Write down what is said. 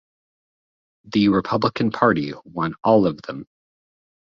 The Republican Party won all of them.